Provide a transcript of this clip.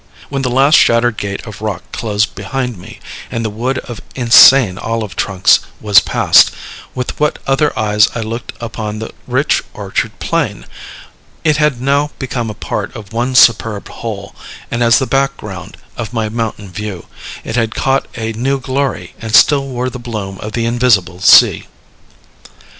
When the last shattered gate of rock closed behind me, and the wood of insane olive trunks was passed, with what other eyes I looked upon the rich orchard plain! It had now become a part of one superb whole; as the background of my mountain view, it had caught a new glory, and still wore the bloom of the invisible sea.